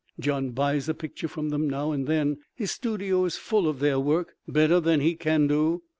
Gian buys a picture from them now and then; his studio is full of their work—better than he can do.